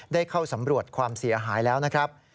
ได้เข้าสำรวจความเสียหายแล้วนะครับ